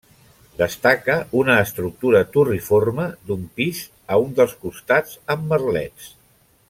Destaca una estructura turriforme d'un pis a un dels costats amb merlets.